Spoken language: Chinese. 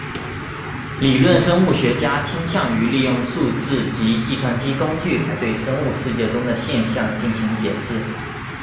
理论生物学家倾向于利用数学及计算机工具来对生物世界中的现象进行解释。